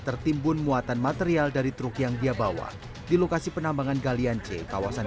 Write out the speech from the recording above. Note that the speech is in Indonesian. tertimbun muatan material dari truk yang dia bawa di lokasi penambangan galian c kawasan